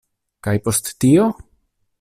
Kaj post tio?